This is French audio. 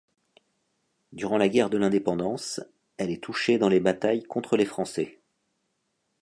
Durant la guerre de l'indépendance, elle est touchée dans les batailles contre les Français.